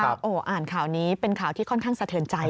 โอ้โหอ่านข่าวนี้เป็นข่าวที่ค่อนข้างสะเทินใจ